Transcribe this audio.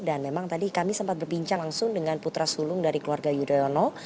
dan memang tadi kami sempat berbincang langsung dengan putra sulung dari keluarga yudhoyono